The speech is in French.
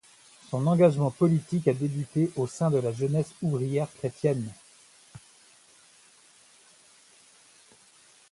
Son engagement politique a débuté au sein de la Jeunesse ouvrière chrétienne.